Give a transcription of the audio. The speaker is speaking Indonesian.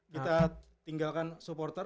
kita tinggalkan supporter